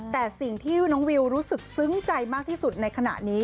แต่สิ่งที่น้องวิวรู้สึกซึ้งใจมากที่สุดในขณะนี้